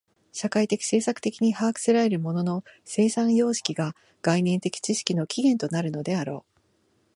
社会的制作的に把握せられる物の生産様式が概念的知識の起源となるのであろう。